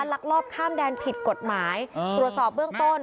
ลักลอบข้ามแดนผิดกฎหมายตรวจสอบเบื้องต้น